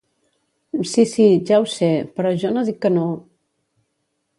Sí, sí, ja ho sé, però jo no dic que no...